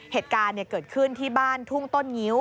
เหตุการณ์เกิดขึ้นที่บ้านทุ่งต้นงิ้ว